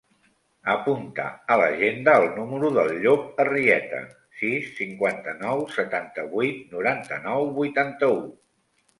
Apunta a l'agenda el número del Llop Arrieta: sis, cinquanta-nou, setanta-vuit, noranta-nou, vuitanta-u.